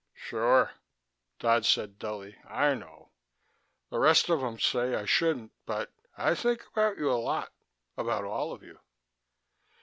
"Sure," Dodd said dully. "I know. The rest of them say I shouldn't, but I think about you a lot. About all of you."